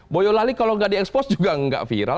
boyolali kalau nggak di expose juga nggak viral